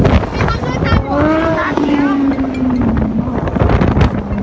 เมื่อเกิดขึ้นมันกลายเป้าหมายเป้าหมายเป้าหมาย